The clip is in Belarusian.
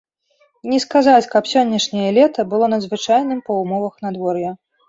Не сказаць, каб сённяшняе лета было надзвычайным па ўмовах надвор'я.